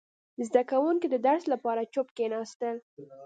• زده کوونکي د درس لپاره چوپ کښېناستل.